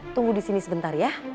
tunggu di sini sebentar ya